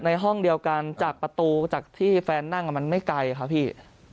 ห้องเดียวกันจากประตูจากที่แฟนนั่งมันไม่ไกลค่ะพี่